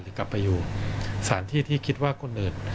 กลับไปอยู่สถานที่ที่คิดว่าคนอื่น